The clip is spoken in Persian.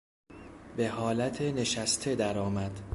به حالت نشسته درآمد.